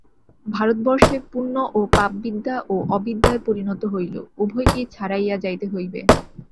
ভারতবর্ষে পুণ্য ও পাপ বিদ্যা ও অবিদ্যায় পরিণত হইল, উভয়কেই ছাড়াইয়া যাইতে হইবে।